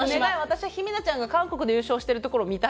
私はヒメナちゃんが韓国で優勝してるところを見たいの。